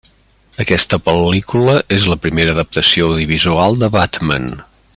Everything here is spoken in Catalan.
Aquesta pel·lícula és la primera adaptació audiovisual de Batman.